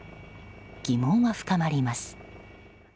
疑問は深まります。